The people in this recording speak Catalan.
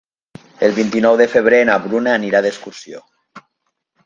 El vint-i-nou de febrer na Bruna anirà d'excursió.